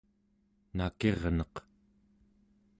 nakirneq